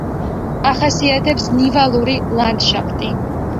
ახასიათებს ნივალური ლანდშაფტი.